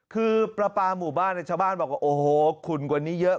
คือประปามุบันชาวบ้านบอกว่าโอ้โหคุณกว่านี้เยอะ